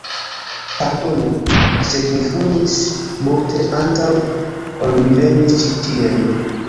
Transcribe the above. Pardonu, sed mi fumis multe antaŭ ol mi venis ĉi tien...